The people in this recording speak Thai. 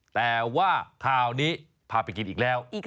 แต่ว่าคราวนี้พาไปกินอีกแล้ว